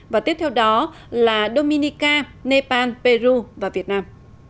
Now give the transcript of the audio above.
và tiếp theo đó là dominica nepal peru và việt nam